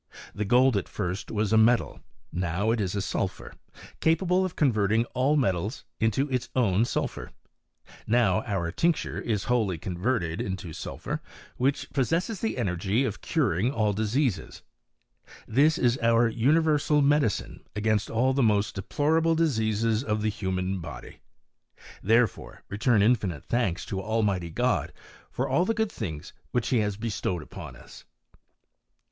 The gold a first was a metal, now it is a sulphur, capable of cod verting all metals into its own sulphur. Now oo tincture is wholly converted into sulphur, which pof sesses the energy of curing all diseases : this is oc universal medicine against all the most deplorab diseases of the human body ; therefore, return infinr thanks to Almighty God for all the good things whk he has bestowed upon us.